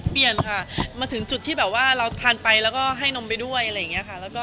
เปลี่ยนค่ะมาถึงจุดที่เราถ่านไปแล้วก็ให้นมไปด้วย